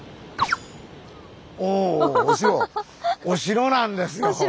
お城なんですよ。